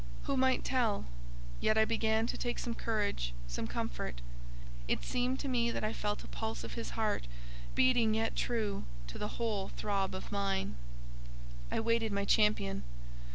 Who might tell? Yet I began to take some courage, some comfort; it seemed to me that I felt a pulse of his heart beating yet true to the whole throb of mine. I waited my champion.